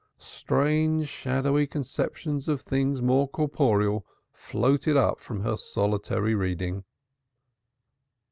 Strange shadowy conceptions of things more corporeal floated up from her solitary reading.